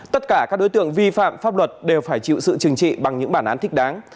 tất cả các đối tượng vi phạm pháp luật đều phải chịu sự chừng trị bằng những bản án thích đáng